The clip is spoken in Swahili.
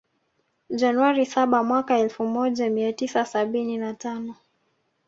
Januari saba Mwaka elfu moja mia tisa sabini na tano